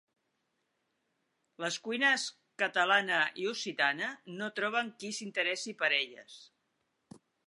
Les cuines catalana i occitana no troben qui s'interessi per elles